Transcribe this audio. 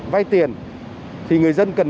vay tiền thì người dân cần